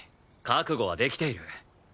覚悟はできてる。